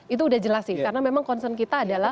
itu udah jelas sih karena memang concern kita adalah